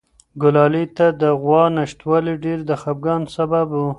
ګلالۍ ته د غوا نشتوالی ډېر د خپګان سبب و.